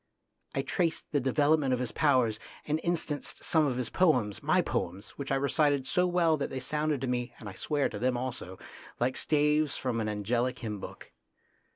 I traced the development of his powers, and instanced some of his poems, my poems, which I recited so well that they sounded to me, and I swear to them also, like staves from an angelic hymn book.